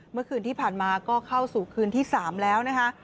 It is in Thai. เมื่อคืนที่ผ่านมาก็เข้าสู่คืนที่๓แล้วนะคะ